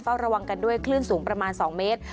ระวังกันด้วยคลื่นสูงประมาณ๒เมตร